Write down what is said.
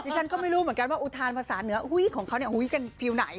ฉันก็ไม่รู้เหมือนกันว่าอุทานภาษาเหนือของเขาเนี่ยกันฟิลไหน